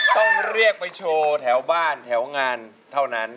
ต้องเรียกไปโชว์แถวบ้านแถวงานเท่านั้น